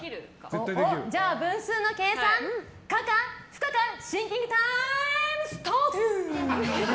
分数の計算、可か不可かシンキングタイム、スタートゥ！